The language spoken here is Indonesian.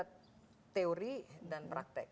ada teori dan praktek